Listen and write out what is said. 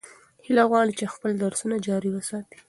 هیله غواړي چې خپل درسونه جاري وساتي.